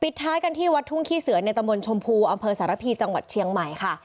ท้ายกันที่วัดทุ่งขี้เสือในตะมนต์ชมพูอำเภอสารพีจังหวัดเชียงใหม่ค่ะ